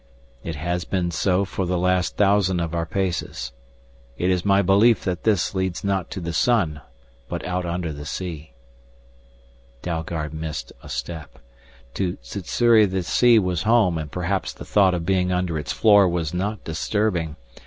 "It has been so for the last thousand of our paces. It is my belief that this leads not to the sun but out under the sea." Dalgard missed a step. To Sssuri the sea was home and perhaps the thought of being under its floor was not disturbing.